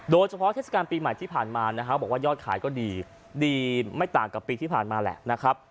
เทศกาลปีใหม่ที่ผ่านมานะฮะบอกว่ายอดขายก็ดีดีไม่ต่างกับปีที่ผ่านมาแหละนะครับ